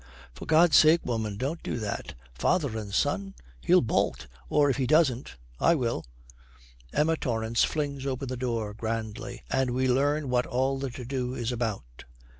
'For God's sake, woman, don't do that! Father and son! He'll bolt; or if he doesn't, I will.' Emma Torrance flings open the door grandly, and we learn what all the to do is about.